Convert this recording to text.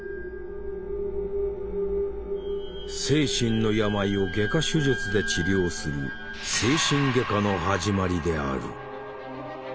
精神の病を外科手術で治療する「精神外科」の始まりである。